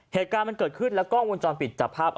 เหตุการณ์มันเกิดขึ้นแล้วกล้องวงจรปิดจับภาพ